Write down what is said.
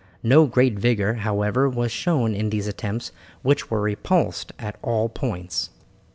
No great vigour, however, was shown in these attempts which were repulsed at all points.